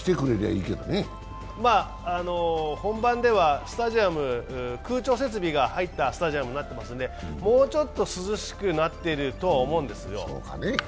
本番ではスタジアム、空調設備が入ったスタジアムになってますのでもうちょっと涼しくなっているとは思うんですよ。